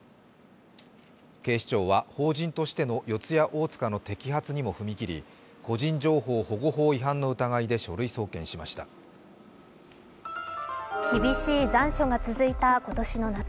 警視庁は邦人としての四谷大塚の摘発にも踏み切り個人情報保護法違反の疑いで書類送検しました厳しい残暑が続いた今年の夏。